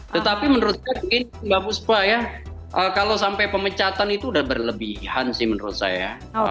tetapi menurut saya begini mbak buspa ya kalau sampai pemecatan itu sudah berlebihan sih menurut saya